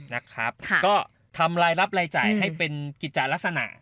นะครับก็ทำรายรับรายจ่ายให้เป็นกิจจารักษณะ